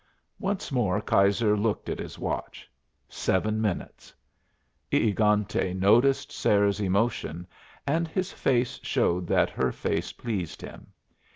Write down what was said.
Once more Keyser looked at his watch: Seven minutes. E egante noticed Sarah's emotion, and his face showed that her face pleased him.